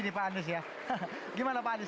di pak andis ya gimana pak andis